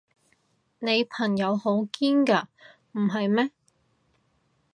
你朋友好堅㗎，唔係咩？